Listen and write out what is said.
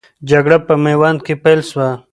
جګړه په میوند کې پیل سوه.